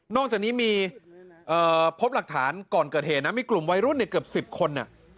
นอกจากนี้มีพบหลักฐานก่อนเกอร์เทนะมีกลุ่มวัยรุ่นเนี่ยเกือบสิบคนน่ะ